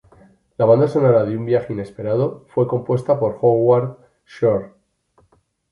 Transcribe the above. La banda sonora de "Un viaje inesperado" fue compuesta por Howard Shore.